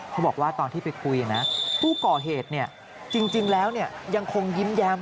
เขาบอกว่าตอนที่ไปคุยนะผู้ก่อเหตุจริงแล้วยังคงยิ้มแย้ม